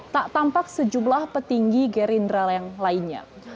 tak tampak sejumlah petinggi gerindra yang lainnya